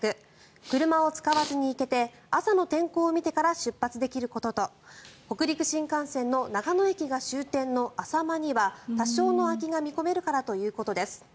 車を使わずに行けて朝の天候を見てから出発できることと北陸新幹線の長野駅が終点のあさまには多少の空きが見込めるからということです。